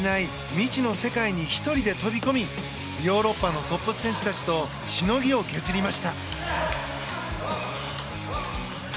未知の世界に１人で飛び込みヨーロッパのトップ選手たちとしのぎを削りました。